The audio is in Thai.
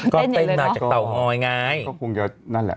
ก็เต้นมาจากเตาหงอยไง